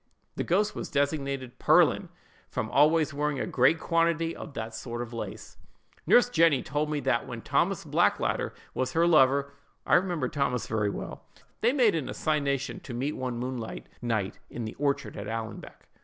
"The ghost was designated 'Pearlin,' from always wearing a great quantity of that sort of lace. "Nurse Jenny told me that when Thomas Blackadder was her lover (I remember Thomas very well), they made an assignation to meet one moonlight night in the orchard at Allanbank.